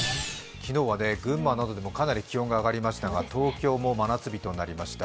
昨日は群馬などでもかなり気温が上がりましたが、東京も真夏日となりました。